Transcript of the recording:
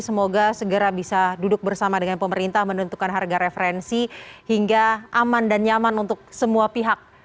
semoga segera bisa duduk bersama dengan pemerintah menentukan harga referensi hingga aman dan nyaman untuk semua pihak